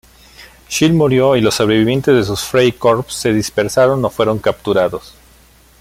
Schill murió, y los sobrevivientes de sus freikorps se dispersaron o fueron capturados.